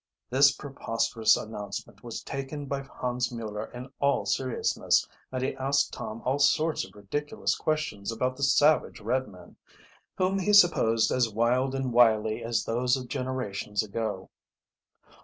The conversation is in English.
This preposterous announcement was taken by Hans Mueller in all seriousness, and he asked Tom all sorts of ridiculous questions about the savage red men, whom he supposed as wild and wily as those of generations ago.